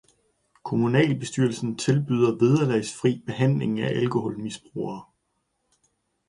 Kommunalbestyrelsen tilbyder vederlagsfri behandling til alkoholmisbrugere